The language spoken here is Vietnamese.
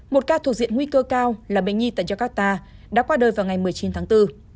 một ca thuộc diện nguy cơ cao là bệnh nhi tại jakarta đã qua đời vào ngày một mươi chín tháng bốn